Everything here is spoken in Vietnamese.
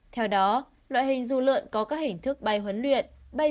theo đó loại hình du lượn có các hình thức bay huấn luyện